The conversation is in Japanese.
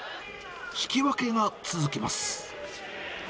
引き分けが続きます。